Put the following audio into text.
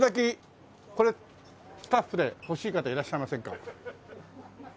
これスタッフで欲しい方いらっしゃいませんか？